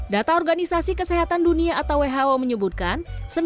data organisasi kesehatan dunia atau who menyebutkan